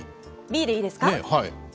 Ｂでいいですか？